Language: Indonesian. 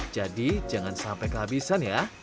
jadi jangan sampai kehabisan ya